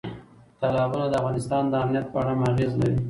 تالابونه د افغانستان د امنیت په اړه هم اغېز لري.